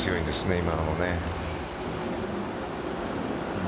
今のもね。